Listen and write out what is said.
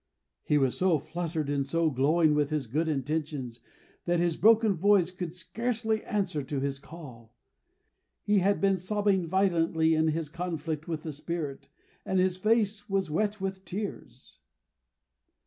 He was so fluttered and so glowing with his good intentions, that his broken voice could scarcely answer to his call. He had been sobbing violently in his conflict with the Spirit, and his face was wet with tears.